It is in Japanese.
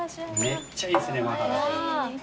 めっちゃいいっすねマハラジャ。